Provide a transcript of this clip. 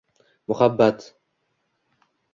Muhabbat.